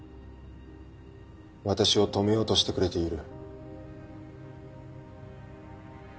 私を止めようとしてくれている。